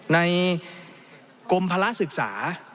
ในกรมภาระศึกษา